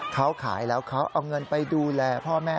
เขาขายแล้วเขาเอาเงินไปดูแลพ่อแม่